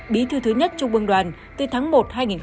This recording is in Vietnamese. bí thư thứ nhất trung ương đoàn từ tháng một hai nghìn bảy